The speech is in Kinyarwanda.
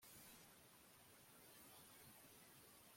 nkisukura n'isabune nziza